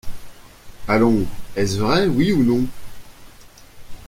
Allons, est-ce vrai, oui ou non ?